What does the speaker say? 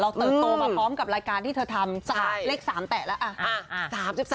เติบโตมาพร้อมกับรายการที่เธอทำเลข๓แตะแล้ว